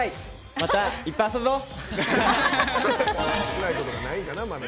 またいっぱい遊ぼう！